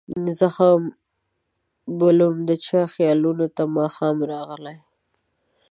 زخم بلوم د چا خیالونو ته ماښام راغلي